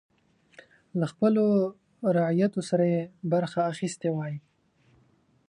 له خپلو رعیتو سره یې برخه اخیستې وای.